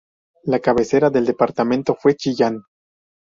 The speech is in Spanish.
La cabecera del departamento fue Chillán.